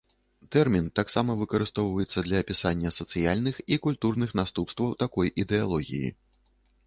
Тэрмін таксама выкарыстоўваецца для апісання сацыяльных і культурных наступстваў такой ідэалогіі.